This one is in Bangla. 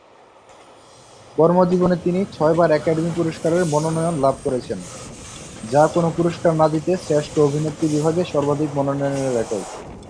কর্মজীবনে তিনি ছয়বার একাডেমি পুরস্কারের মনোনয়ন লাভ করেছেন, যা কোন পুরস্কার না জিতে শ্রেষ্ঠ অভিনেত্রী বিভাগে সর্বাধিক মনোনয়নের রেকর্ড।